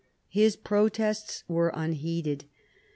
His protests were unheeded.